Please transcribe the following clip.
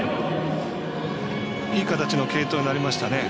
いい形の継投になりましたね。